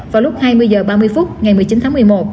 vào lúc hai mươi h ba mươi phút ngày một mươi chín tháng một mươi một